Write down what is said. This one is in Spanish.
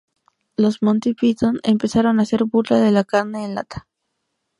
Los Monty Python empezaron a hacer burla de la carne en lata.